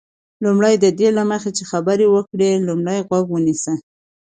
لومړی: ددې دمخه چي خبري وکړې، لومړی غوږ ونیسه.